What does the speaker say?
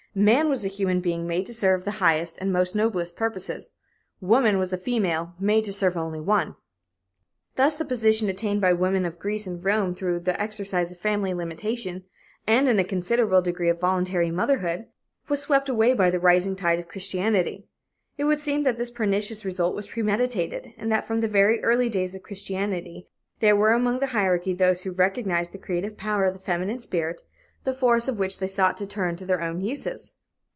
Man was a human being made to serve the highest and noblest purposes; woman was a female, made to serve only one." Thus the position attained by women of Greece and Rome through the exercise of family limitation, and in a considerable degree of voluntary motherhood, was swept away by the rising tide of Christianity. It would seem that this pernicious result was premeditated, and that from the very early days of Christianity, there were among the hierarchy those who recognized the creative power of the feminine spirit, the force of which they sought to turn to their own uses.